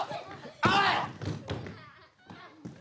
おい！